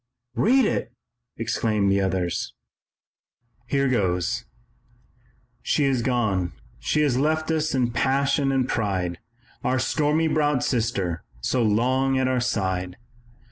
'" "Read it!" exclaimed the others. "Here goes: "She has gone she has left us in passion and pride, Our stormy browed sister so long at our side!